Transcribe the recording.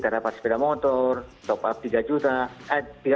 saya dapat sepeda motor top up tiga juta